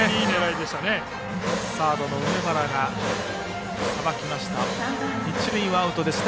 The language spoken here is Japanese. サードの梅原がさばきました。